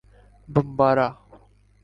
Bambara